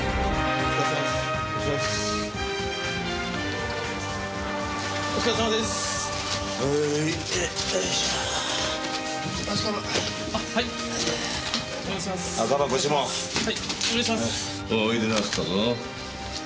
おっおいでなすったぞ。